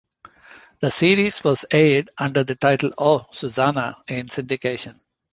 The series was aired under the title Oh, Susanna in syndication.